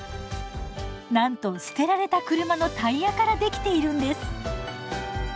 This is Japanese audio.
なんと捨てられた車のタイヤからできているんです！